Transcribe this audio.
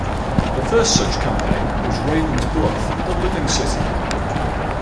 The first such campaign was Raven's Bluff, the Living City.